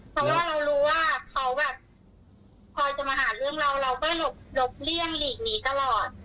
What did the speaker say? เพราะว่าเรารู้ว่าเขาแบบพอจะมาหาเรื่องเราเราก็หลบเลี่ยงหลีกหนีตลอด